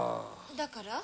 だから？